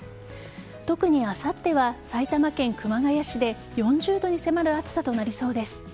特にあさっては埼玉県熊谷市で４０度に迫る暑さとなりそうです。